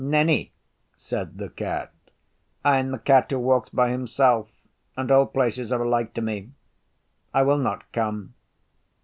'Nenni!' said the Cat. 'I am the Cat who walks by himself, and all places are alike to me. I will not come.